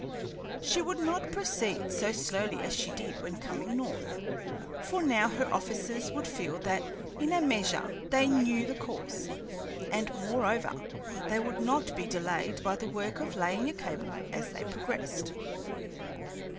She would not proceed so slowly as she did when coming north, for now her officers would feel that in a measure they knew the course, and moreover they would not be delayed by the work of laying a cable as they progressed.